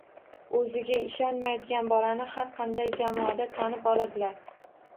O‘ziga ishonmaydigan bolani har qanday jamoada tanib oladilar.